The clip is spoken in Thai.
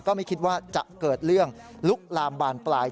ก็ไม่คิดว่าจะเกิดเรื่องลุกลามบานปลาย